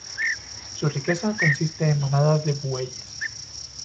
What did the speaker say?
Su riqueza consiste en manadas de bueyes.